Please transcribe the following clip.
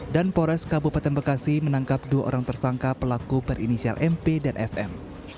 dan pores kabupaten bekasi menangkap dua orang tersangka pelaku berinisial mp dan fm